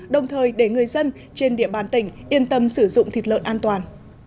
đồng thời để người dân trên địa bàn tỉnh yên tâm sử dụng thịt lợn an toàn